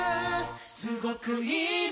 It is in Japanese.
すごくいいね